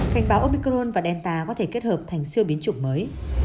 cảnh báo omicron và delta có thể kết hợp thành siêu biến chủng mới